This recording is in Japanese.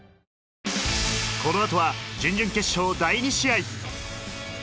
この後は準々決勝第２試合。